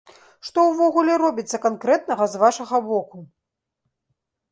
Што ўвогуле робіцца канкрэтнага з вашага боку?